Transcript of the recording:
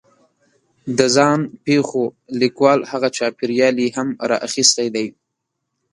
د ځان پېښو لیکوال هغه چاپېریال یې هم را اخستی دی